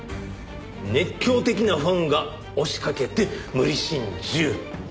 熱狂的なファンが押しかけて無理心中。